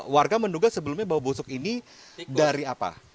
warga menduga sebelumnya bau busuk ini dari apa